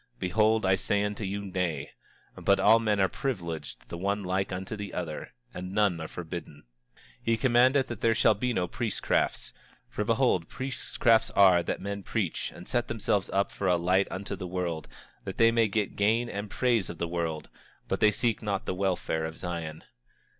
Behold I say unto you, Nay; but all men are privileged the one like unto the other, and none are forbidden. 26:29 He commandeth that there shall be no priestcrafts; for, behold priestcrafts are that men preach and set themselves up for a light unto the world, that they may get gain and praise of the world; but they seek not the welfare of Zion.